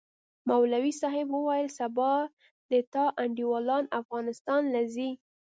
مولوي صاحب وويل سبا د تا انډيوالان افغانستان له زي.